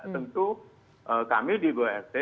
tentu kami di bwrt